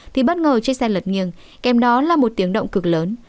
thì bất ngờ chiếc xe lật nghiêng kèm đó là một tiếng động cực lớn